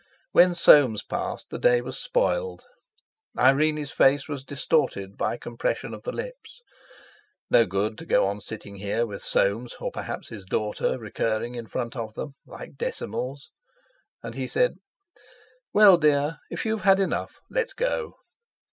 When Soames passed, the day was spoiled. Irene's face was distorted by compression of the lips. No good to go on sitting here with Soames or perhaps his daughter recurring in front of them, like decimals. And he said: "Well, dear, if you've had enough—let's go!"